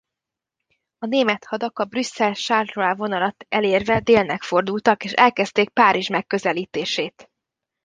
A német hadak a Brüsszel–Charleroi vonalat elérve délnek fordultak és elkezdték Párizs megközelítését.